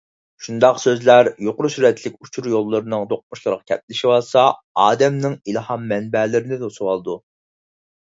شۇنداق سۆزلەر يۇقىرى سۈرئەتلىك ئۇچۇر يوللىرىنىڭ دۇقمۇشلىرىغا كەپلىشىۋالسا، ئادەمنىڭ ئىلھام مەنبەلىرىنى توسۇۋالىدۇ.